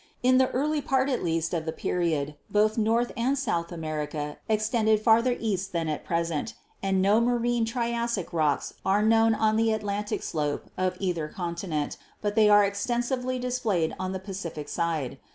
In the early part, at least, of the period both North and South America extended farther east than at present, and no marine Triassic rocks are known on the Atlantic slope of either continent, but they are extensively displayed on the Pacific side.